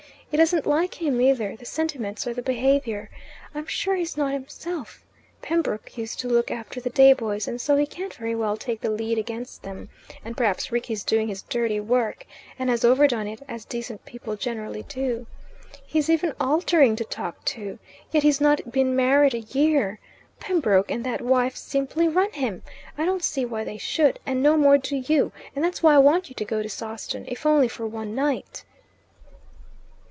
It isn't like him either the sentiments or the behaviour. I'm sure he's not himself. Pembroke used to look after the day boys, and so he can't very well take the lead against them, and perhaps Rickie's doing his dirty work and has overdone it, as decent people generally do. He's even altering to talk to. Yet he's not been married a year. Pembroke and that wife simply run him. I don't see why they should, and no more do you; and that's why I want you to go to Sawston, if only for one night."